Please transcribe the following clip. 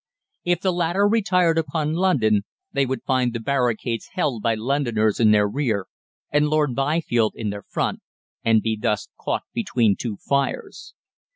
If the latter retired upon London they would find the barricades held by Londoners in their rear and Lord Byfield in their front, and be thus caught between two fires.